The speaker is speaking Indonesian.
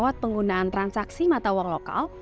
lewat penggunaan transaksi mata uang lokal